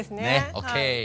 ＯＫ！